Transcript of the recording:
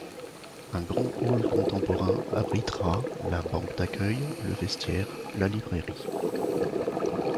Un grand hall contemporain abritera la banque d’accueil, le vestiaire, la librairie.